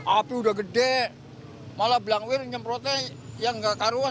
api udah gede malah bilang wir nyemprotnya yang nggak karuan